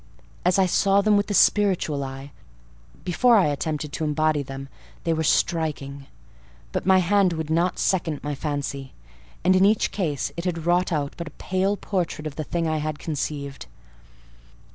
As I saw them with the spiritual eye, before I attempted to embody them, they were striking; but my hand would not second my fancy, and in each case it had wrought out but a pale portrait of the thing I had conceived.